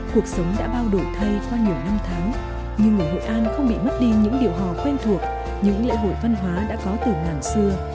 cuộc sống đã bao đổi thay qua nhiều năm tháng nhưng ở hội an không bị mất đi những điệu hò quen thuộc những lễ hội văn hóa đã có từ ngàn xưa